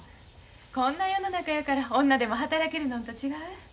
こんな世の中やから女でも働けるのんと違う？